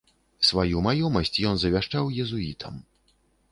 Сваю маёмасць ён завяшчаў езуітам.